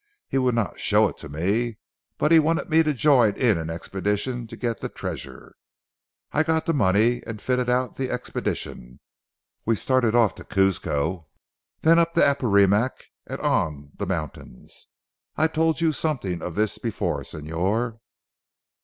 He would not show it to me, but wanted me to join in an expedition to get the treasure. I got the money and fitted out the expedition. We started off to Cuzco, then up the Apurimac and on the mountains. I told you something of this before Señor.